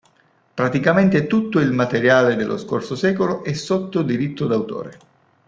Praticamente tutto il materiale dello scorso secolo è sotto diritto d'autore.